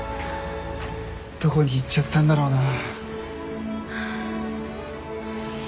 どこに行っちゃったんだろうな。